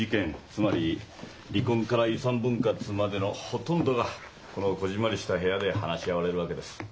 つまり離婚から遺産分割までのほとんどがこのこぢんまりした部屋で話し合われるわけです。